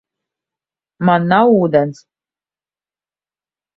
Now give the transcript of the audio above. Man nav ūdens.